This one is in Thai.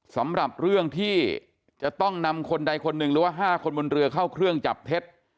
สำหรับเรื่องที่จะต้องนำคนใดคนหนึ่งหรือว่า๕คนบนเรือเข้าเครื่องจับเท็จ